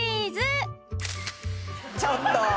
ちょっと！